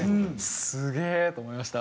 すげえ！と思いました。